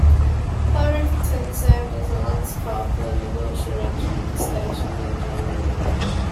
Barrington served as a Lance-Corporal in the Wiltshire Regiment stationed in Germany.